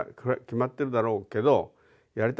「決まってるだろうけどやり